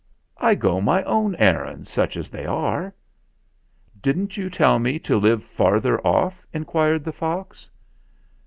I go my own errands such as they are." "Didn't you tell me to live farther off?" in quired the fox.